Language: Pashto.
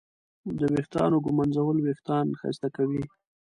د ویښتانو ږمنځول وېښتان ښایسته کوي.